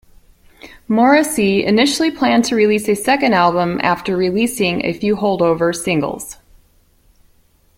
Morrissey initially planned to release a second album after releasing a few holdover singles.